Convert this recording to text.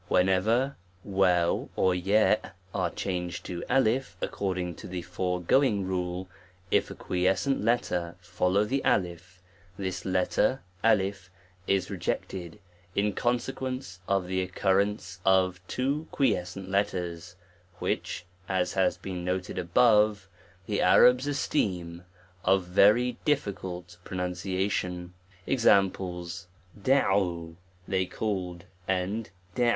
WHENEVER^ or cf are changed to J according to the foregoing rule, i acquiescent letter follow the I, this letter (J) is rejected, in consequence of the ocurrence of two quiescent letters, which, as has been noted above, the Arabs esteem of very dif ficult pronunciation. Examples. 1_js a they called, O O^.